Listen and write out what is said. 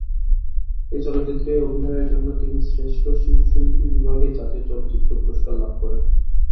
এই চলচ্চিত্রে অভিনয়ের জন্য তিনি শ্রেষ্ঠ শিশু শিল্পী বিভাগে জাতীয় চলচ্চিত্র পুরস্কার লাভ করেন।